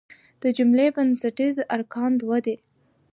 د جملې بنسټیز ارکان دوه دي.